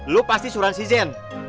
lu pasti suran si zen